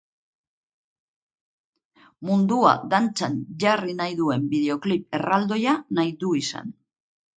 Mundua dantzan jarri nahi duen bideoklip erraldoia nahi du izan.